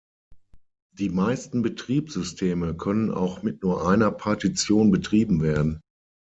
Die meisten Betriebssysteme können auch mit nur einer Partition betrieben werden.